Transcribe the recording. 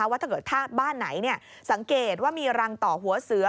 ว่าถ้าเกิดถ้าบ้านไหนสังเกตว่ามีรังต่อหัวเสือ